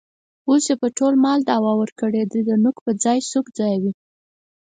اوس یې په ټول مال دعوه ورکړې ده. د نوک په ځای سوک ځایوي.